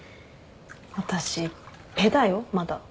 私ペだよまだ。